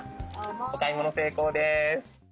お買い物成功です。